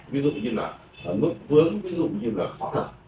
ví dụ như là mức vướng ví dụ như là khó khăn